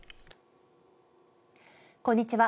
こんにちは。